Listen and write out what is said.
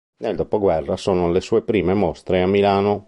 Nel dopoguerra sono le sue prime mostre a Milano.